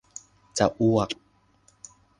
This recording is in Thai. จะอ้วก